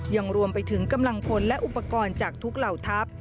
ยังรวมไปถึงกำลังพลและอุปกรณ์จากทุกเหล่าทัพ